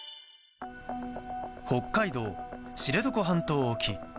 北海道知床半島沖。